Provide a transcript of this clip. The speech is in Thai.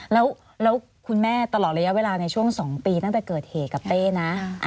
แล้วคุณแม่ตลอดระยะเวลาในช่วง๒ปีตั้งแต่เกิดเหตุกับเต้นะ